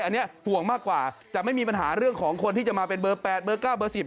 อันนี้ห่วงมากกว่าจะไม่มีปัญหาเรื่องของคนที่จะมาเป็นเบอร์๘เบอร์๙เบอร์๑๐